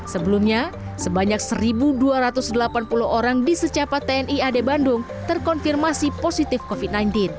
sebelumnya sebanyak satu dua ratus delapan puluh orang di secapat tni ad bandung terkonfirmasi positif covid sembilan belas